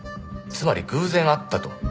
つまり偶然会ったと？